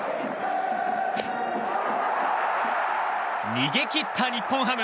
逃げ切った日本ハム！